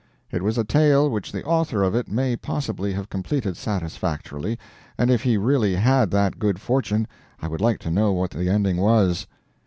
It was a tale which the author of it may possibly have completed satisfactorily, and if he really had that good fortune I would like to know what the ending was.